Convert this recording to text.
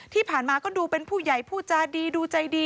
ที่ผ่านมาก็ดูเป็นผู้ใหญ่พูดจาดีดูใจดี